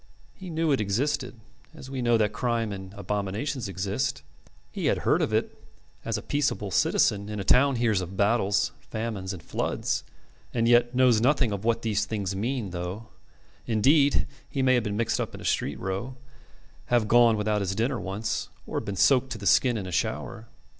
He knew it existed, as we know that crime and abominations exist; he had heard of it as a peaceable citizen in a town hears of battles, famines, and floods, and yet knows nothing of what these things mean though, indeed, he may have been mixed up in a street row, have gone without his dinner once, or been soaked to the skin in a shower.